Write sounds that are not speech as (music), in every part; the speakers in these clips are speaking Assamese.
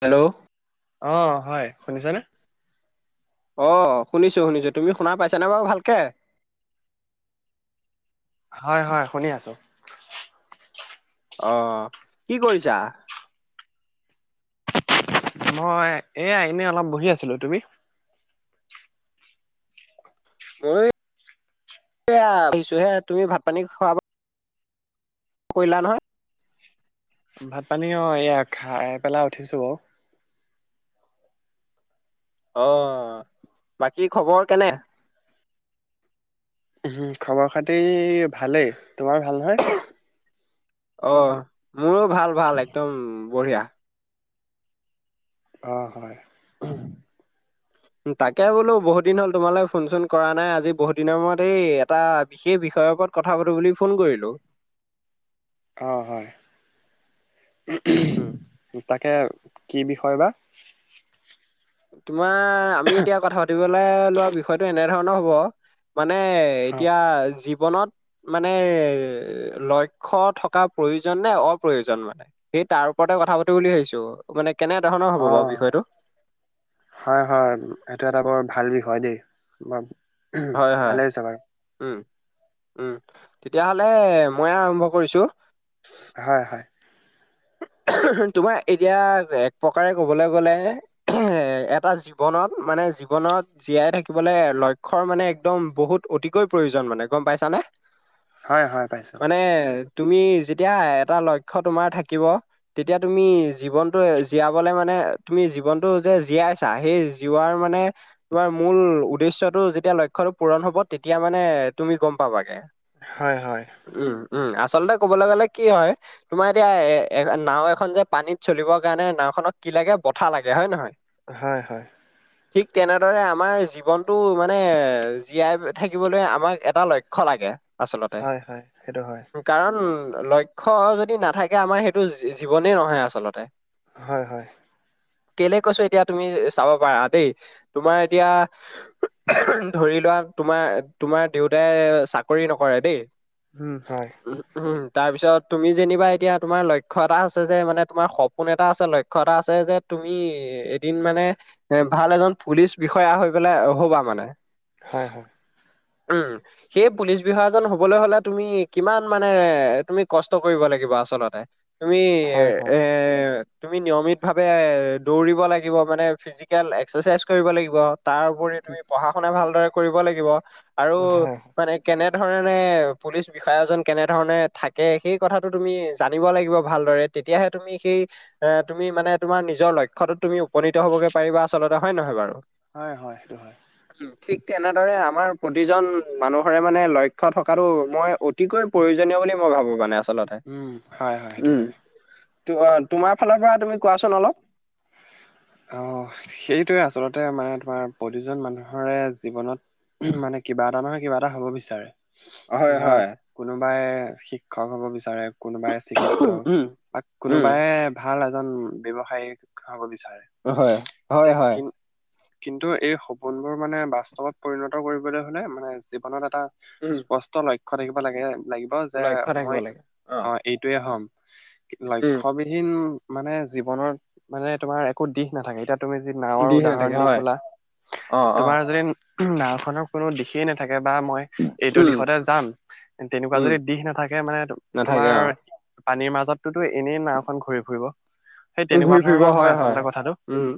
হেল্ল' অ হয় শুনিছেনে অ', শুনিছোঁ, শুনিছোঁ, তুমি শুনা পাইছানে বাৰু ভালকে? হয় হয় শুনি আছো অহ কি কৰিছা মই এয়া এনে অলপ বহি আছিলো তুমি ময়ো (inaudible) আহিছোঁহে তুমি ভাত পানী খুৱাব কৰিলা নহয় ভাত, পানী অ', এয়া খাই পেলাই উঠিছোঁ বাৰু। আহ বাকী খবৰ কেনে উম, খবৰ খাটি ভালেই, তোমাৰ ভাল নহয়? অ মোৰো ভাল ভাল একদম বঢ়িয়া অ হয় তাকে বোলো বহুত দিন হ'ল তোমালৈ ফোন চোন কৰা নাই আজি বহুত দিনৰ মূৰত এই এটা বিশেষ বিষয় কথা পাতো বুলি ফোন কৰিলোঁ অ', হয়, উম তাকে কি বিষয় বা তোমাৰ আমি এতিয়া কথা পাতিবলৈ লোৱা বিষয়টো এনেধৰণৰ হব মানে হয়, এতিয়া জী জীৱনত মানে লক্ষ্য থকা প্ৰয়োজন নে অপ্ৰয়োজন মানে আমি তাৰ ওপৰতে কথা পাতি বুলি ভাবিছো মানে কেনে ধৰণৰ হ'ব বাৰু অ', বিষয়টো হয় হয় এইটো এটা বৰ ভাল বিষয় দেই হয় হয় ভালে হৈছে বাৰু উম উম তেতিয়াহলে মই আৰম্ভ কৰিছো হয়, হয়, তোমাৰ এতিয়া এক প্ৰকাৰে ক'বলৈ গ'লে এটা জীৱনত মানে জীৱনত জীয়াই থাকিবলৈ লক্ষ্যৰ মানে একদম বহুত অতিকৈ প্ৰয়োজন মানে গম পাইছানে? হয় হয় পাইছো মানে তুমি যেতিয়া এটা লক্ষ্য তোমাৰ থাকিব তেতিয়া তুমি জীৱনতটো জীয়াবলে মানে তুমি জীৱনতটো যে জীয়াইছা সেইজীয়া মানে মানে তোমাৰ মূল উদ্দেশ্যটো যেতিয়া লক্ষ্যটো হয় হয় উম উম আচলতে ক'বলৈ গলে কি হয় তোমাৰ এতিয়া এ নাওঁ এখন যে, পানীত চলিবৰ কাৰণে নাওঁখনক কি লাগে? বঠা লাগে হয়, নহয়? হয় হয় ঠিক তেনেদৰে আমাৰ জীৱনটো মানে জীয়াই থাকিবলৈ আমাক এটা লক্ষ্য লাগে আচলতে হয়, হয়, সেইটো হয়, কাৰণ লক্ষ্য যদি নাথাকে, আমাৰ সেইটো জী-জীৱনে নহয় আচলতে। হয় হয় কেলে কৈছো এতিয়া তুমি চাব পাৰা দেই তোমাৰ এতিয়া ধৰি তোমাৰ তোমাৰ দেউতাই চাকৰি নকৰে দেই উম। হয়। উম উম তাৰপিছত তুমি যেনিবা এতিয়া তোমাৰ লক্ষ। লক্ষ্যয় এটা আছে যে মানে তোমাৰ সপোন এটা আছে, লক্ষ্যয় এটা আছে যে তুমি এদিন মানে এ। ভাল এজন পুলিচ বিষয়া হৈ পেলাই হ'বা মানে। হয়। হয়। উম। সেই পুলিচ বিষাজন হবলৈ হ'লে তুমি কিমান মানে তুমি কষ্ট কৰিব লাগি। থাকিবা আচলতে তুমি হয়, হয়, এ। তুমি নিয়মিত ভাৱে দৌৰিব লাগিব, মানে ফিজিকেল এক্সাৰচাইজ কৰিব লাগিব। তাৰ ওপৰি তুমি পঢ়া শুনা ভালদৰে কৰিব লাগিব। আৰু হয়। মানে কেনে কেনেধৰণে পুলিচ বিষ কেনেধৰণে থাকে সেই কথাটো তুমি জানিব লাগিব। ভালৰে তেতিয়াহে তুমি সেই তুমি মানে তোমাৰ নিজৰ লক্ষয়ো তুমি, উপনত হ'বগে পাৰিব আচলতে হয় নহয় বাৰু হয় হয় সেইটো হয়। ঠিক তেনেদৰে আমাৰ প্ৰতিজন মানুহৰে মানে লক্ষ্য থকাটো মই অতিকৈ প্ৰয়োজনীয় বুলি মই ভাবো মানে আচলতে। উম হয় হয়। সেইটো উম হয় ত তোমাৰ ফালৰ পৰা তুমি কোৱাচোন অলপ। আহ সেইটোৱে আচলতে মানে তোমাৰ প্ৰতিজন মানুহৰে জীৱনত। মানে কিবা এটা নহয় কিবা এটা হ'ব বিচাৰে। হয় ধৰা হয় কোনোবাই শিক্ষক হ'ব বিচাৰে। কোনোবাই চিকিৎসক বা উম কোনোবাই ভাল এজন ব্যৱসায়িক হব বিচাৰে। হয় হয় এতিয়া হয়। কি কিন্তু এই সপোনবোৰ মানে বাস্তৱত পৰিণত কৰিবলৈ হলে মানে জীৱনত এটা। উম স্পষ্ট লক্ষয় থাকিব লাগে লাগিব যে লক্ষ্য থাকিব মই লাগে অ এইটোয়ে হম। উম লক্ষ্য়বিহীন মানে জীৱনত মানে তোমাৰ একো দিশ নাথাকে এতিয়া তুমি যি নাওৰ দিশ উদাহৰণ নাথাকে দি হয় কলা অ অ। তোমাৰ যদি নাও খনৰ কোনো দিশেই নাথাকে বা মই এইটো উম দিশতে যাম তেনেকুৱা উম যদি দিশ নাথাকে মানে নাথাকে তোমাৰ অ পানীৰ মাজতোতো এনেই নাওখন ঘূৰি ফুৰিব সেই তেনেকুৱা ধৰণৰ হয় আচলতে কথাটো উম,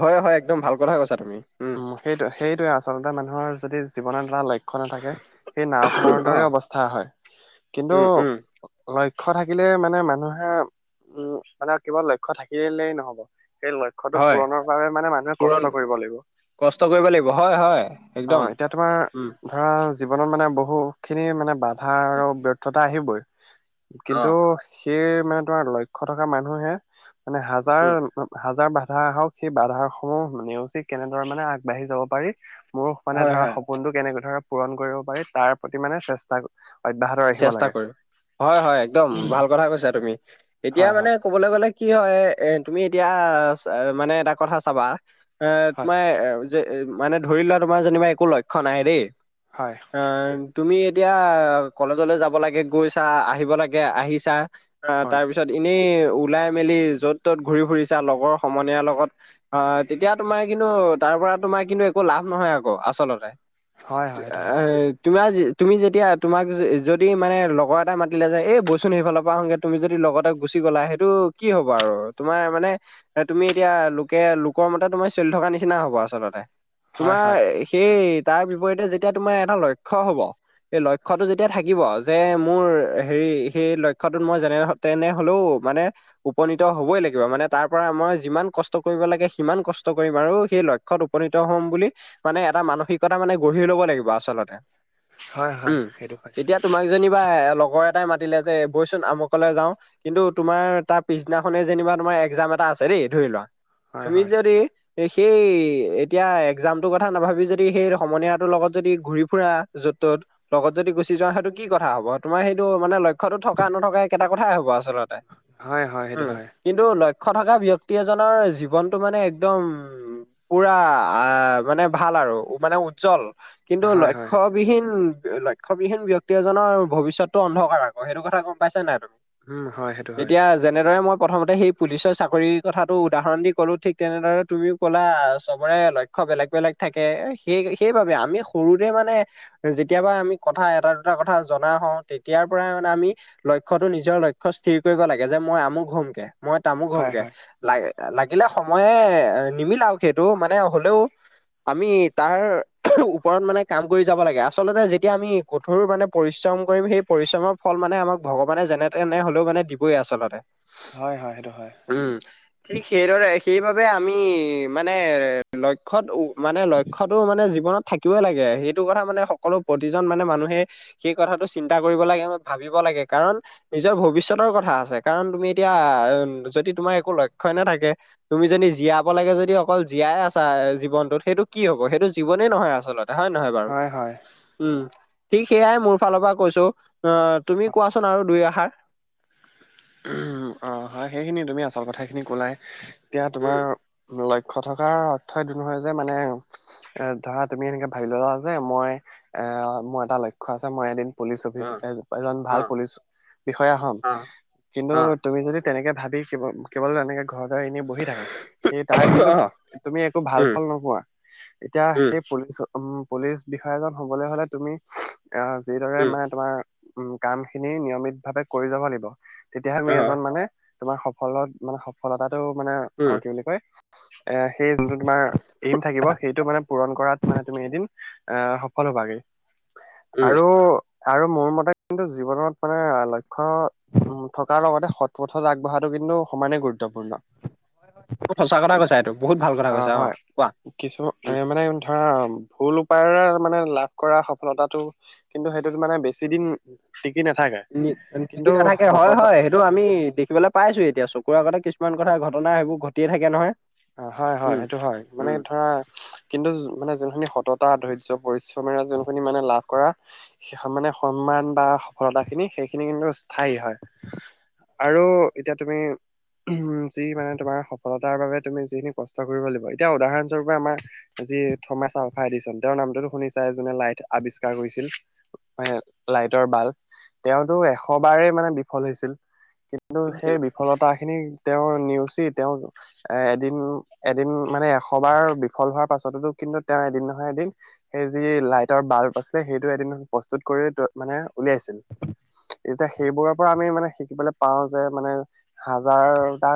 হয়-হয় একদম ভাল কথাাই কৈছা তুমি উম। সেইটোৱে আচলতে মানুহৰ যদি জীৱনৰ এনকা লক্ষ্য খ নাথাকে সেই নাওখনৰ অ দৰে অৱস্থা হয় কিন্তু উম উম লক্ষ লক্ষ্য থাকিলে মানে মানুহে উম মানে কেৱল লক্ষ্য থাকিলেই নহব সেই লক্ষ্যটো হয় পূৰণৰ বাবে মানে মানুহে পূৰণ কষ্ট কৰিব লাগিব। কষ্ট কৰিব লাগিব হয়-হয় অ একদম এতিয়া তোমাৰ উম। ধৰা জীৱনত মানে বহু খিনি মানে বাধা আৰু ব্যৰ্থতা আহিবই অ। কিন্তু সেই মানে তোমাৰ লক্ষ্য থকা মানুহে মানে হাজাৰ উম, হাজাৰ বাধা হওক সেই বাধা সমূহ নেওচি কেনেদৰ মানে আগবাঢ়ি যাব পাৰি মোৰ মানে হয় ধৰা হয় সপোনটো কেনেকে ধৰা পূৰণ কৰিব পাৰি তাৰ প্ৰতি মানে চেষ্টা অব্যাহত ৰাখিব চেষ্টা লাগে। কৰিম হয়-হয় একদম ভাল কথা কৈছা তুমি, এতিয়া হয় মানে হয় কবলৈ গ'লে কি হয় এ তুমি এতিয়া মানে এটা কথা চাবা এ হয় তোমাৰ যে এ মানে ধৰি লোৱা তোমাৰ যেনিবা একো লক্ষ্য নাই দেই হয় অ, তুমি এতিয়া কলেজলৈ যাব লাগে গৈছা আহিব লাগে আহিছা। অ, হয় তাৰ পিছত এনেই ওলাই মেলি য'ত ত'ত ঘুৰি ফুৰিছা লগৰ সমনীয়াৰ লগত, আহ তেতিয়া তোমাৰ কিন্তু তাৰ তাৰ পৰা তোমাৰ কিন্তু একো লাভ নহয় আক আচলতে। এ হয় হয় সেইটো হয়। তোমাৰ তুমি যেতিয়া তোমাক যদি মানে লগৰ এটা মাতিলে যে এই বৈচোন সেইফালৰ পৰা আহোঙগে তুমি যদি লগৰ এটা গুচি গ'লা সেইটো কি কি হ'ব আৰু তোমাৰ মানে এ তুমি এতিয়া লোকে লোকৰ মতে তোমাৰ চলি থকা নিচিনা হব আচলতে হয় হয় তোমাৰ সেই তাৰ বিপৰীতে যেতিয়া তোমাৰ এটা লক্ষ্য হব সেই লক্ষ্ লক্ষ্যটো যেতিয়া থাকিব যে মোৰ হেৰি সেই লক্ষ্যটোত মই যেনে তেনে হ'লেও মানে উপনীত হবই লাগিব মানে তাৰ পৰা মই যিমান কষ্ট কৰিব লাগে সিমান কষ্ট কৰিম আৰু সেই লক্ষ্যত উপনীত হম বুলি মানে এটা মানসিকতা মানে গঢ়ি লব লাগিব আচলতে হয় হয় উম সেইটো হয় তেতিয়া তোমাক যেনিবা লগৰ এটাই মাতিলে যে বইচোন আমুকলে যাওঁ কিন্তু তোমাৰ তাৰ পিছদিনাখনে যেনিবা তোমাৰ একজাম এটা আছে দেই দেই ধৰি লোৱা হয় তুমি হয় যদি সেই এতিয়া একজামটোৰ কথা নাভাবি যদি সেই সমনীয়াটোৰ লগত যদি ঘূৰি ফুৰা য'ত ত'ত লগত যদি গুচি যোৱা সেইটো কি কথা হব তোমাৰ সেইটো মানে লক্ষ্যতো থকা নথকাই একেইটা কথাই হব আ আচলতে হয় হয় সেইটো উম হয় কিন্তু ল লক্ষ্য থকা ব্যক্তি এজনৰ জীৱনটো মানে একদম উম পুৰা আ মানে ভাল আৰু মানে উজ্জ্বল কিন্তু হয় হয় সেইটো লক্ষ্যবিহীন লক্ষ্যবিহীন ব্যক্তি এজনৰ ভৱিষ্যতটো অন্ধকাৰ আকৌ সেইটো কথা গম পাইছা নাই তুমি উম হয় সেইটো হয় এতিয়া যেনেদৰে মই প্ৰথমতে সেই পুলিচৰ চাকৰিৰ কথাটো উদাহৰণ দি ক'লোঁ ঠিক তেনেদৰে তুমিও ক'লা চবৰে লক্ষ্য বেলেগ বলেগ থাকে সেই সেই বাবে আমি সৰুৰে মানে যেতিয়া কেতিয়াবা আমি কথা এটা দুটা কথা জনা হওঁ তেতিয়াৰ পৰাই মানে আমি লক্ষ্যতো নিজৰ লক্ষ্য স্থিৰ কৰি কৰিব লাগে যে মই আমুক হম গে মই তামো ক হম হয় হয় লা গে লাগিলে সময়ে নিমিলাওক আৰু সেইটো মানে হলেও আমি তাৰ ওপৰত মানে কাম কৰি যাব লাগে আচলতে যেতিয়া আমি কঠোৰ মানে পৰিশ্ৰম কৰিম সেই পৰিশ্ৰমৰ ফল মানে আমাক ভগৱানে যেনে তেনে হ'লেওে মানে দিবই আচলতে হয় হয় হেইটো হয় উম, ঠিক সেইদৰে সেইবাবে আমি মানে লক্ষ্যত উ মানে লজ্যতো মানে জীৱনত থাকিবই লাগে সেইটো কথা মানে স সকলো প্ৰতিজন মানে মানুহে সেই কথাটো চিন্তা কৰিব লাগে বা ভাবিব লাগে কাৰণ নিজৰ ভৱিষ্যত কথা আছে কাৰণ তুমি এতিয়া যদি তোমাৰ একো লক্ষ্য ই নাথাকে তুমি যদি জীয়াব লাগে য যদি অকল জীয়াই আছা জীৱনটোত সেইটো কি হ'ব সেইটো জীৱনে নহয় আচলতে হয় নহয় বাৰু হয় হয় উম ঠিক সেয়াই মোৰ ফালৰ পৰা কৈছো আহ তুমি কোৱাচোন আৰু দুই এষাৰ অ হয় সেইখিনি তুমি আচল কথাখিনি কলাই এতিয়া তোমাৰ উম লই কথাষাৰ অৰ্থ এইটো নহয় যে মানে এ ধৰা তুমি এনেকে ভাবি ললা যে মই এ মোৰ এটা লক্ষ্য আছে মই এদিন পুলিচ অ অফিচাৰ এ অ ভাল পুলিচ বিষয়া হম অ কিন্তু অ তুমি যদি তেনেতে এনেকে ভাবি কেৱল কেৱল এনেকে ঘৰতে এনে বহি থাকা সেই তাৰ কিন্তু অ তুমি একো ভাল উম ফল নোপোৱা এতিয়া উম, সেই পুলিচ অ উম পুলিচ বিষয়া জন হবলৈ হলে তুমি এ যিদৰে উম, মানে তোমাৰ উ কাম খিনি নিয়মিত ভাৱে কৰি যাব লাগিব তেতিয়া হে আমি অ', এজন মানে তোমাৰ সফলত মানে সফলতাটো মানে উম, অ কি বুলি কয় এ সেই যোনটো তোমাৰ এইম থাকিব সেইটো মানে পূৰণ কৰাত মানে তুমি এদিন এ সফল (inaudible) উম, আৰু আৰু মোৰ মতে কিন্তু জীৱনত মানে লক্ষ্য উম থকাৰ লগতে সৎ পথত আগবঢ়াটো কিন্তু সমানেই গুৰুত্বপূৰ্ণ হয় হয় অ হয় কিছুমান এ উম। মানে ধৰা ভুল উপায় মানে লাভ কৰা সফলতাটো কিন্তু সেইটোত মানে বেছি দিন টিক নি টিকি নাথাকে হয় হয় সেইটো আমি দেখিবলৈ পাইছো এতিয়া চকুৰ আগতে কিছুমান কথা ঘটনা সেইবোৰ ঘটিয়ে থাকে নহয় অ হয় হয় উম, সেইটো হয় মানে ধৰা কিন্তু মানে যোন খিনি স সততা ধৰ্য্য পৰিশ্ৰমেৰে যোনখিনি মানে লাভ কৰা মানে সন্মান বা সফলতা খিনি সেইখিনি কিন্তু স্থায়ী হয় আৰু এতিয়া তুমি উ যি মানে তোমাৰ সফলতাৰ বাবে তুমি যিখিনি কষ্ট কৰিব লাগিব এতিয়া উদাহৰণ স্বৰূপে আমাৰ যি থমাছ আফা এচন তেওঁৰ নামটোতো শুনিছা জোনে লাইট আৱিষ্কাৰ কৰিছিল ম লাইটৰ বাল্ব তেওঁতটো এশ বাৰে মানে বিফল হৈছিল কিন্তু সেই উম। বিফলতা খিনি তেওঁ নেওচি তেওঁ এ এদিন এদিন মানে এশ বাৰ বিফল হোৱাৰ পাছততো কিন্তু তেওঁ এদিন নহয় এদিন সেই যি লাইটৰ বাল্ব আছিলে সেইটো এদিন প্ৰস্তুত কৰি মানে উলিয়াইছিল এতিয়া সেইবোৰৰ পৰা আমি মানে শিকিবলৈ পাও যে মানে হাজাৰটা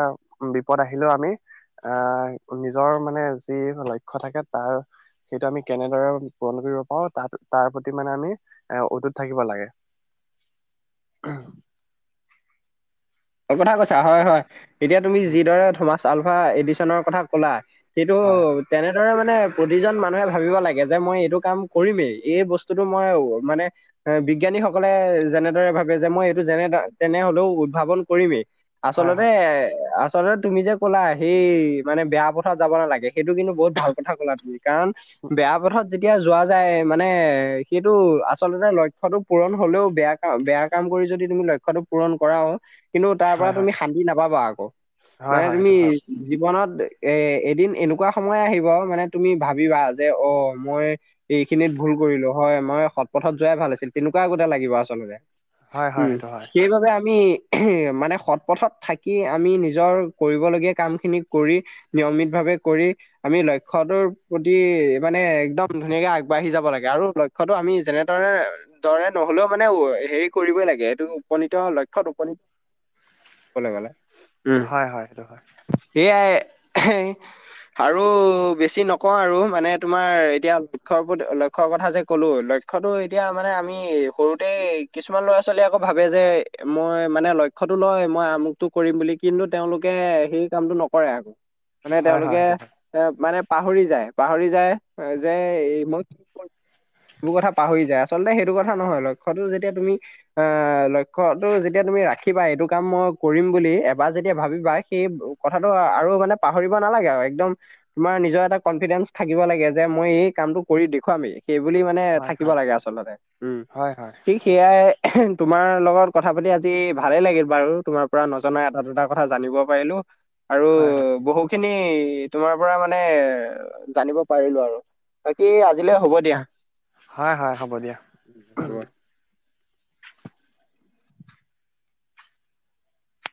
পদ আহিলেও আমি আহ নিজৰ মানে যি লক্ষ্ থাকে তাৰ সেইটো আমি কেনেদৰে গণ কৰিব পাৰো তাত তাৰ প্ৰতি মানে আমি এ অতুত থাকিব লাগে (inaudible) উম অ কথা কৈছা হয় হয় এতিয়া তুমি হয় যিদৰে থমাচ আলফা এডিশনৰ কথা ক'লা সেইটো হয় তেনেদৰে মান নে প্ৰতিজন মানুহে ভাবিব লাগে যে মই এইটো কাম কৰিমেই এই বস্তুটো মই মানে বিজ্ঞানীসকলে যেনেদৰে ভাবে যে মই এইটো যেনে তেনেহ'লেও উদ্ভাৱন কৰিমেই হয় আচলতে হয়। আচলতে তুমি যে ক'লা সেই মানে বেয়া পথত যাব নালাগে সেইটো কিন্তু বহুত ভাল কথা ক'লা তুমি কাৰণ বেয়া পথত যেতিয়া যোৱা যায় মানে সেইটো আচলতে লক্ষ্যটো পূৰণ হ'লেও বেয়া কাম, বেয়া কাম কৰি যদি তুমি লক্ষ্যটো পূৰণ কৰাও কিন্তু, তাৰ পৰা হয় হয় তুমি শান্তি নাপাবা আকৌ, হয় মানে হয় তুমি সেইটো হয় জীৱনত এ, এদিন এনেকুৱা সময় আহিব মানে তুমি ভাবিবা যে, অ মই এইখিনিত ভুল কৰিলো হয়, মই সৎ পথত যোৱাই ভাল আছিল, তেনেকুৱা আগতে লাগিব আচলতে। হয় হয় উম, সেইটো হয় সেইবাবে আমি মানে সৎ পথত থাকি আমি, নিজৰ কৰিবলগীয়া কামখিনি কৰি, নিয়মিতভাৱে আমি লক্ষ্যটোৰ প্ৰতি মানে, একদম ধুনীয়াকে আগবাঢ়ি যাব লাগে আৰু লক্ষ্য আমি যেনেদৰে দৰে নহ'লেও মানে হেৰি কৰিবই লাগে, সটো উপনীত লক্ষ্য (unintelligible) উম হয়, হয়, হয়। (unintelligible) আৰু বেছি নকওঁ আৰু মানে তোমাৰ এতিয়া লক্ষ্যৰ প্ৰতি লক্ষ্যৰ কথা যে ক'লো লক্ষ্য লক্ষ্যতো এতিয়া মানে আমি সৰুতে কিছুমান ল'ৰা-ছোৱালীয়ে আকৌ ভাবে যে মই মানে লক্ষ্যতো লয়, মই আমুকটো কৰিম বুলি, কিন্তু তেওঁলোকে সেই কামটো নকৰে আকৌ। মানে হয় হয় তেওঁলোকে সেইটো এ, মানে পাহৰি যায়, পাহৰি যায় যে মই সেইবোৰ কথা পাহৰি যায়, আচলতে সেইটো কথা নহয়, লক্ষ্যতো যেতিয়া তুমি আহ, লক্ষ্যতো যে তুমি ৰাখিবা, এইটো কাম মই কৰিম বুলি, এবাৰ যেতিয়া ভাবিবা, সেই কথাটো আৰু মানে পাহৰিব নালাগে আৰু একদম তোমাৰ নিজৰ এটা কনফিডেন্স থাকিব লাগে যে, মই এই কামটো কৰি দেখুৱামেই। সেইবুলি মানে হয় হয় থাকিব হয় লাগে আচলতে, উম, হয় হয় ঠিক সেয়াই তোমাৰ লগত কথা পাতি আ জি ভালেই লাগিল বাৰু, তোমাৰ পৰা নজনা এটা-দুটা কথা জানিব পাৰিলো, আৰু হয় হয় হয় বহুত খিনি তোমাৰ পৰা মানে জানিব পাৰিলো আৰু। বাকী আজিলৈ হ'ব দিয়া। হয় হয় হ'ব দিয়া। হ'ব